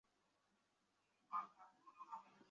ডিম আর রুটি নিয়ে আয়।